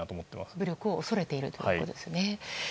武力を恐れているということですね。